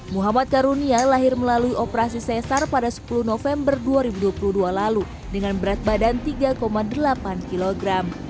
muhammad karunia lahir melalui operasi sesar pada sepuluh november dua ribu dua puluh dua lalu dengan berat badan tiga delapan kg